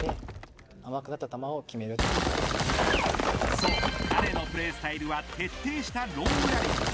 そう、彼のプレースタイルは徹底したロングラリー。